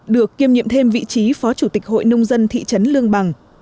được kiêm nhiệm thêm vị trí phó chủ tịch hội nông dân thị trấn lương bằng